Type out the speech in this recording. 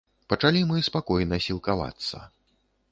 Пачалі мы спакойна сілкавацца.